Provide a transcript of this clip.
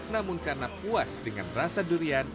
namun karena puas dengan rasa durian